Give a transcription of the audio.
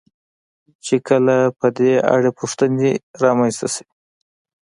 چې کله په دې اړه پوښتنې را منځته شوې.